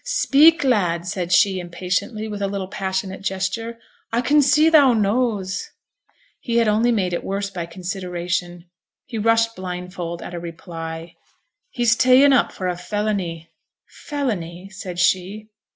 'Speak, lad!' said she, impatiently, with a little passionate gesture. 'I can see thou knows!' He had only made it worse by consideration; he rushed blindfold at a reply. 'He's ta'en up for felony.' 'Felony,' said she.